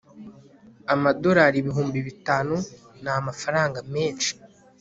amadolari ibihumbi bitanu ni amafaranga menshi